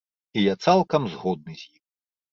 І я цалкам згодны з ім.